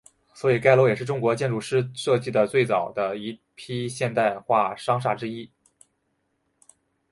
所以该楼也是中国建筑师设计的最早的一批现代化商厦之一。